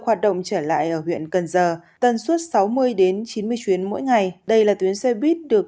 hoạt động trở lại ở huyện cần giờ tân suốt sáu mươi chín mươi chuyến mỗi ngày đây là tuyến xe buýt được